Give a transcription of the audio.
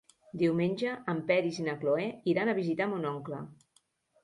Diumenge en Peris i na Cloè iran a visitar mon oncle.